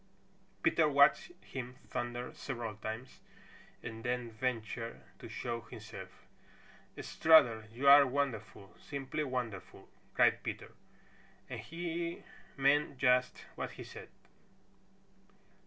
Peter watched him thunder several times and then ventured to show himself. "Strutter, you are wonderful! simply wonderful!" cried Peter, and he meant just what he said.